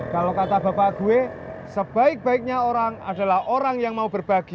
kalau kata bapak gue sebaik baiknya orang adalah orang yang mau berbagi